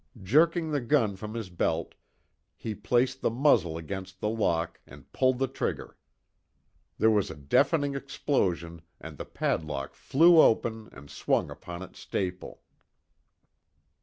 Jerking the gun from his belt, he placed the muzzle against the lock and pulled the trigger. There was a deafening explosion and the padlock flew open and swung upon its staple.